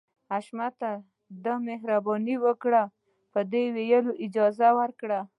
حشمتي ورته د مهرباني وکړئ په ويلو اجازه ورکړه.